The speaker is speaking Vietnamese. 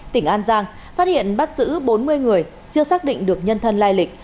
tỉnh an giang phát hiện bắt giữ bốn mươi người chưa xác định được nhân thân lai lịch